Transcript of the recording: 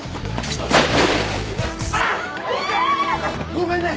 ごめんね！